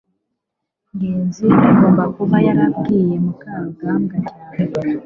ngenzi agomba kuba yarabwiye mukarugambwa cyane